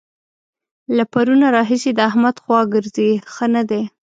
له پرونه راهسې د احمد خوا ګرځي؛ ښه نه دی.